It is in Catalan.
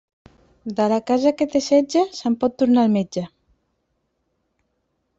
De la casa que té setge, se'n pot tornar el metge.